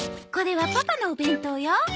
これはパパのお弁当よ。